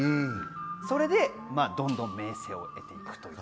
それでどんどん名声を得ていくという。